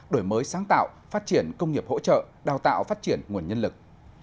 đổi mới sáng tạo phát triển công nghiệp hỗ trợ đào tạo phát triển nguồn nhân lực